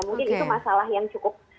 mungkin itu masalah yang cukup